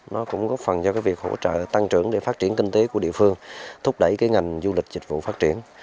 nó cũng góp phần cho cái việc hỗ trợ tăng trưởng để phát triển kinh tế của địa phương thúc đẩy cái ngành du lịch dịch vụ phát triển